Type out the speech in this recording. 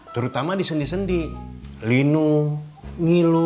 terutama di sendi sendi linu ngilu